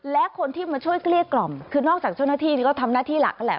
และคนที่มาช่วยเกลี้ยกล่อมคือนอกจากเจ้าหน้าที่ก็ทำหน้าที่หลักนั่นแหละ